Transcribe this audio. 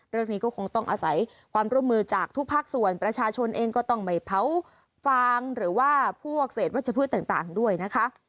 เรื่องนี้ก็คงต้องอาศัยความร่วมมือจากทุกภาคส่วนประชาชนเองก็ต้องไม่เผาฟางหรือว่าพวกเศษวัชพืชต่างด้วยนะคะ